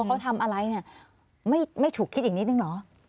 เขาทำอะไรเนี่ยไม่ถูกคิดอีกนิดนึงเหรอ